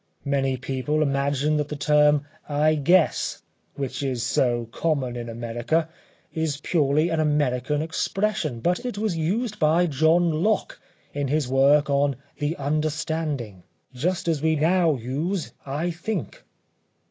Many people imagine that the term ŌĆ£I guess, ŌĆØ which is so common in America, is purely an American expression, but it was used by John Locke in his work on ŌĆ£The Understanding, ŌĆØ just as we now use ŌĆ£I think.